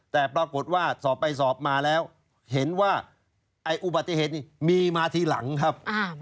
แต่ปรากฏว่าสอบไปสอบมาแล้วเห็นว่าไอ้อุบัติเหตุนี้มีมาทีหลังครับ